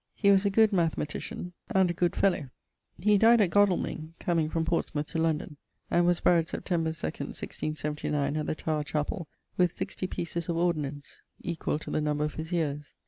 He was a good mathematician, and a good fellowe. He dyed at Godalmyng, comeing from Portsmouth to London ..., and was buried Septemb. 2ᵈ 1679, at the Tower Chapell, with sixtie peices of ordinance (equal to the number of his yeares).